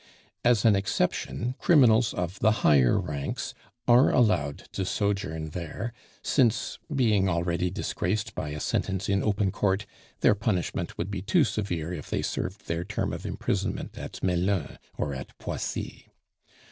As an exception criminals of the higher ranks are allowed to sojourn there, since, being already disgraced by a sentence in open court, their punishment would be too severe if they served their term of imprisonment at Melun or at Poissy.